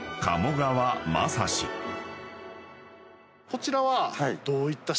こちらは。